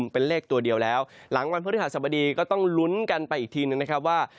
เป็นเลขตัวเดียวแล้วหลังวันพฤหัสบดีก็ต้องลุ้นกันไปอีกทีหนึ่งนะครับว่า